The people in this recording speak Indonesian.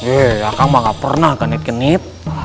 eh kakang mah nggak pernah genit genit